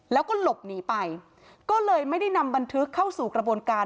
แล้วก็หลบหนีไปก็เลยไม่ได้นำบันทึกเข้าสู่กระบวนการ